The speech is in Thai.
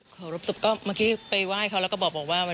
ขอรบศพก็เมื่อกี้ไปไหว้เขาแล้วก็บอกว่า